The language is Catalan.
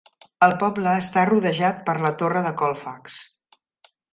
El poble està rodejat per la torre de Colfax.